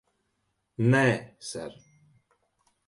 Nē, ser.